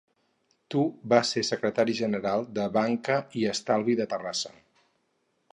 Tu vas ser secretari general de Banca i Estalvi de Terrassa.